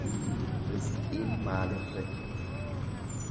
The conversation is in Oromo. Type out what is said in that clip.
Risqiin miilarra jirti.